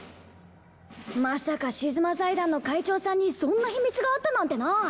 まさかシズマ財団の会長さんにそんな秘密があったなんてな！